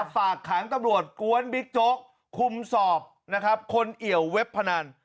ฝากขังตำรวจกวนบิ๊กโจ๊กคุมสอบนะครับคนเอี่ยวเว็บพนัน